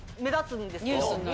ニュースになる。